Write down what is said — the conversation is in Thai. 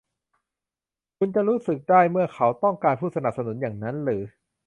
คุณจะรู้สึกได้เมื่อเขาต้องการผู้สนับสนุนอย่างนั้นหรือ ?